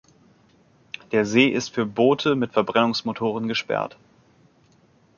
Der See ist für Boote mit Verbrennungsmotoren gesperrt.